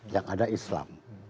yang ada islam